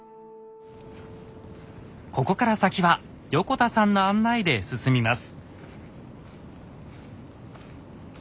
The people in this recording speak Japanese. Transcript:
ここから先は横田さんの案内で進みます。